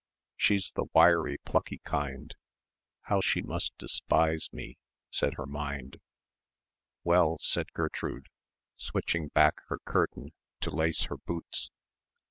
"She's the wiry plucky kind. How she must despise me," said her mind. "Well," said Gertrude, switching back her curtain to lace her boots.